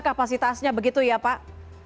kapasitasnya begitu ya pak